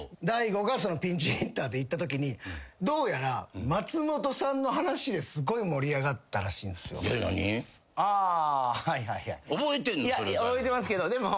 大悟がピンチヒッターでいったときにどうやら松本さんの話ですごい盛り上がったらしいんですよ。何？